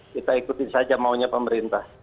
kita ikutin saja maunya pemerintah